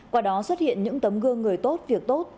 qua đó xuất hiện những tấm gương người tốt việc tốt